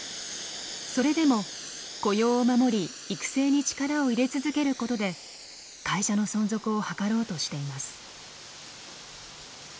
それでも雇用を守り育成に力を入れ続けることで会社の存続を図ろうとしています。